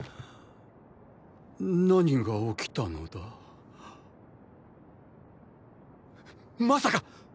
何が起きたのだ⁉まさか！！